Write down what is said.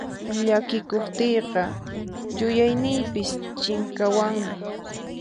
Llakikuqtiyqa yuyayniypis chinkawanmi.